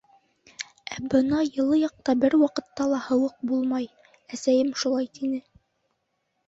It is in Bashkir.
— Ә бына йылы яҡта бер ваҡытта ла һыуыҡ булмай, әсәйем шулай тине.